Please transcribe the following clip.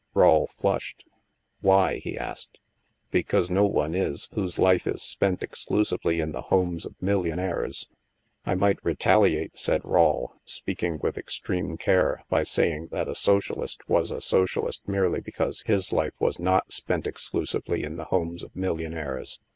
Rawle flushed. "Why? "he asked. " Because no one is, whose life is spent exclusively in the homes of millionaires." " I might retaliate," said Rawle, speaking with extreme care, " by saying that a socialist was a so cialist merely because his life was not spent ex clusively in the homes of millionaires.